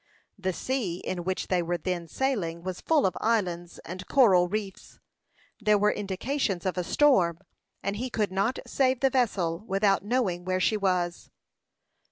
The sea in which they were then sailing was full of islands and coral reefs. There were indications of a storm, and he could not save the vessel without knowing where she was.